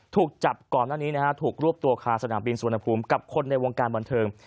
ถูกจับก่อนหน้านี้นะฮะถูกรวบตัวคาสนามบินสุวรรณภูมิกับคนในวงการบันเทิง